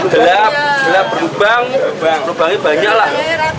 gelap gelap berlubang berlubangnya banyak lah